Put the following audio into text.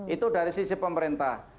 itu dari sisi pemerintah